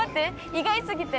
意外過ぎて。